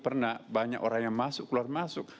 pernah banyak orang yang masuk keluar masuk